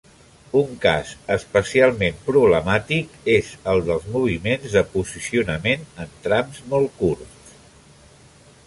Un cas especialment problemàtic és el dels moviments de posicionament en trams molt curts.